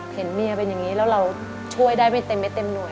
เห็นเมียเป็นอย่างนี้แล้วเราช่วยได้ไม่เต็มไม่เต็มหน่วย